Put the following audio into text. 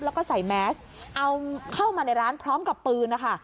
แล้วก็ใส่แมสเอาเข้ามาในร้านพร้อมกับปืนนะคะ